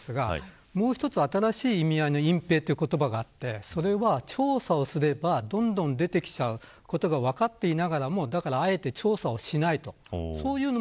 隠ぺいとは、何か事を隠すという意味合いなんですがもう一つ新しい意味合いの隠ぺいという言葉があってそれは調査をすればどんどん出てきちゃうことが分かっていながらもあえて調査をしない。